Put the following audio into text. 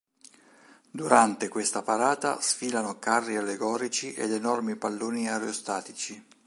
Durante questa parata sfilano carri allegorici ed enormi palloni aerostatici.